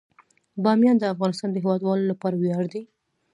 بامیان د افغانستان د هیوادوالو لپاره ویاړ دی.